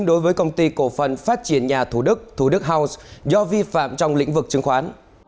đối với công ty cổ phần phát triển nhà thủ đức thủ đức house do vi phạm trong lĩnh vực chứng khoán